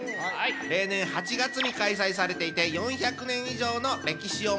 例年８月に開催されていて４００年以上の歴史を持つそうです。